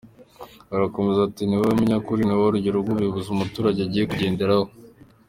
Arakomeza ati: “Ni wowe munyakuri, ni wowe rugero nk’umuyobozi umuturage agiye kugenderaho.